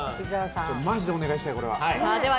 マジでお願いしたい、これは。